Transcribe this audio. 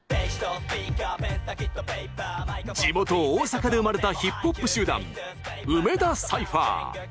地元大阪で生まれたヒップホップ集団梅田サイファー。